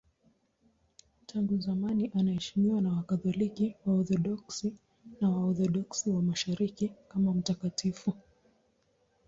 Tangu zamani anaheshimiwa na Wakatoliki, Waorthodoksi na Waorthodoksi wa Mashariki kama mtakatifu.